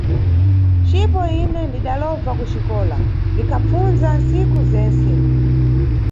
Cipo ine ndidalova kuxikola, ndikhapfundza ntsiku zentse.